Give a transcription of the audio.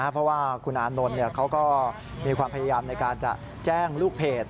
เพราะว่าคุณอานนท์เขาก็มีความพยายามในการจะแจ้งลูกเพจ